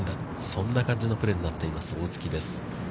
そんな感じのプレーになっています、大槻です。